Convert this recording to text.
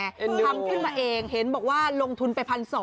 ทำขึ้นมาเองเห็นบอกว่าลงทุนไป๑๒๐๐